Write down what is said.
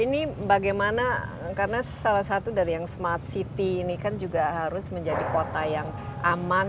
ini bagaimana karena salah satu dari yang smart city ini kan juga harus menjadi kota yang aman